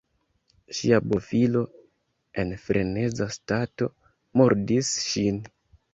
Ŝia bofilo (en freneza stato) murdis ŝin.